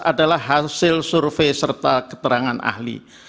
adalah hasil survei serta keterangan ahli